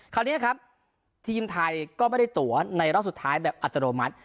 คราวนี้ครับทีมไทยก็ไม่ได้ตัวในรอบสุดท้ายแบบอัตโนมัติ